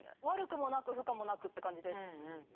悪くもなく不可もなくって感じです。